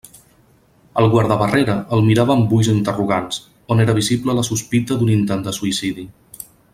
El guardabarrera el mirava amb ulls interrogants, on era visible la sospita d'un intent de suïcidi.